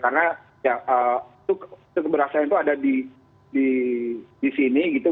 karena itu keberhasilan itu ada di sini gitu